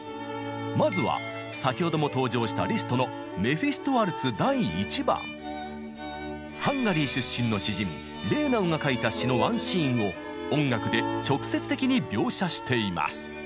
まずは先ほども登場したリストのハンガリー出身の詩人レーナウが書いた詩のワンシーンを音楽で直接的に描写しています。